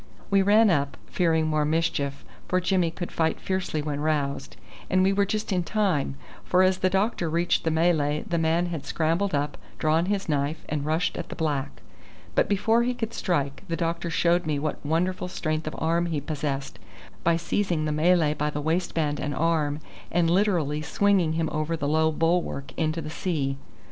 We ran up, fearing more mischief, for Jimmy could fight fiercely when roused; and we were just in time, for as the doctor reached the Malay the man had scrambled up, drawn his knife, and rushed at the black. But before he could strike, the doctor showed me what wonderful strength of arm he possessed, by seizing the Malay by the waistband and arm and literally swinging him over the low bulwark into the sea.